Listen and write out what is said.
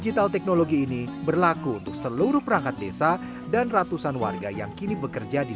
adalah dengan mengedepankan tertib administrasi dan komunikasi